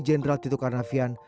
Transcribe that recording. jenderal tito karnavian